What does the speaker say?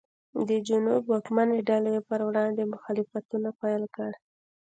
د جنوب واکمنې ډلې یې پر وړاندې مخالفتونه پیل کړل.